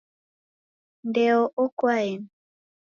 Ndeo oko aeni?